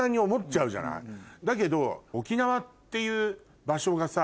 だけど沖縄っていう場所がさ